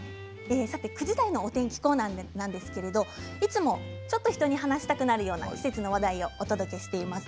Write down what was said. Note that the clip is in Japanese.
９時台のお天気コーナーはいつもちょっと人に話したくなるような季節の話題をお届けしています。